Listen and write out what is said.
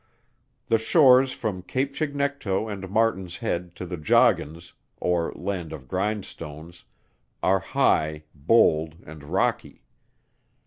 The shores from Cape Chignecto and Martin's Head to the Joggins, or land of Grindstones, are high, bold and rocky.